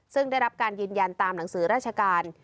ซึ่งได้รับการยืนยันตามหนังสือราชการ